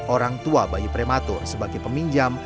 orang tua bayi prematur sebagai peminjam